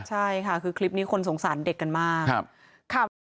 ใช่ค่ะคือคลิปนี้คนสงสารเด็กกันมาก